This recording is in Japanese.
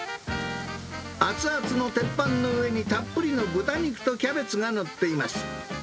熱々の鉄板の上にたっぷりの豚肉とキャベツが載っています。